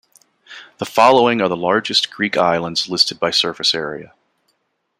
The following are the largest Greek islands listed by surface area.